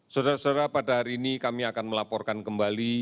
saudara saudara pada hari ini kami akan melaporkan kembali